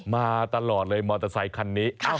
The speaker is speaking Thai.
มาตลอดเลยมอเตอร์ไซคันนี้